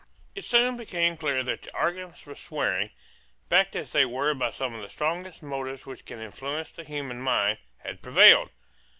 It soon became clear that the arguments for swearing, backed as they were by some of the strongest motives which can influence the human mind, had prevailed.